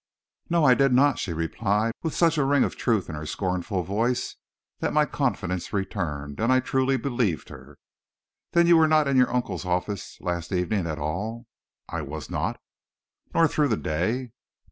"No, I did not," she replied, with such a ring of truth in her scornful voice, that my confidence returned, and I truly believed her. "Then you were not in your uncle's office last evening at all?" "I was not." "Nor through the day?"